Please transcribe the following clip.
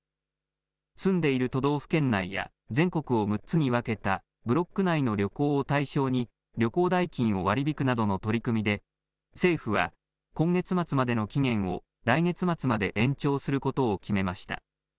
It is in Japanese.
住んでいる都道府県内や全国を６つに分けたブロック内の旅行を対象に旅行代金を割り引くなどの取り組みで政府は今月末までの期限を来月末まで延長することを決めました。